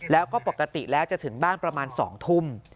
แล้วก็ปกติแล้วจะถึงบ้านประมาณ๒ทุ่ม